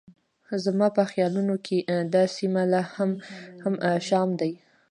زما په خیالونو کې دا سیمه لا هم شام دی.